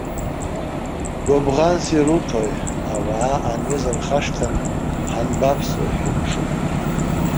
Гәыбӷанс ируҭои, ауаа аниз рхашҭын, ҳанбаԥсуеи ҳәа иԥшуп.